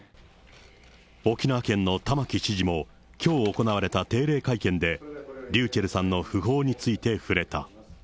沖縄県の玉城知事も、きょう行われた定例会見で、ｒｙｕｃｈｅｌｌさんの訃報について触れた。